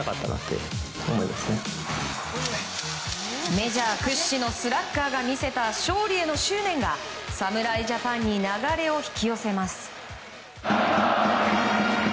メジャー屈指のスラッガーが見せた勝利への執念が、侍ジャパンに流れを引き寄せます。